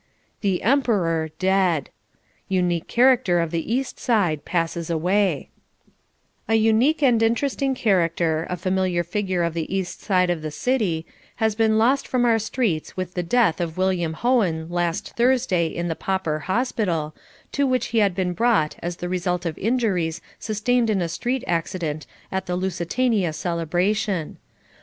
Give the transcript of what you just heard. THE "EMPEROR" DEAD Unique Character of the East Side Passes Away A unique and interesting character, a familiar figure of the East Side of the City, has been lost from our streets with the death of William Hohen lost Thursday in the Pauper Hospital, to which he had been brought as the result of injuries sustained in a street accident at the Lusitania celebration.